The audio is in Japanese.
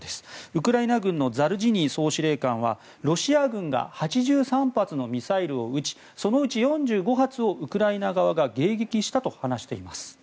ウクライナ軍のザルジニー総司令官はロシア軍が８３発のミサイルを撃ちそのうち４５発をウクライナ側が迎撃したと話しています。